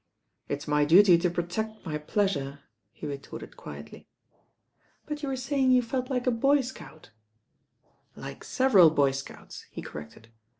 "It's my duty to protect my pleasure," he retorted quietly. "But you were saying you felt like a boy scout " "Like several boy scouts," he corrected.